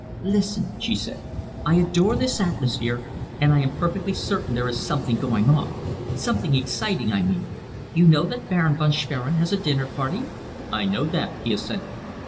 "Listen," she said, "I adore this atmosphere, and I am perfectly certain there is something going on something exciting, I mean. You know that the Baron von Schwerin has a dinner party?" "I know that," he assented.